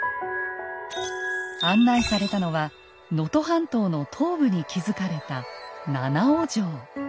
案内されたのは能登半島の東部に築かれた七尾城。